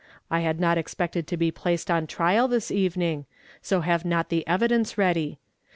I had not expected to be placed on trial this evening, so have not the evidence ready.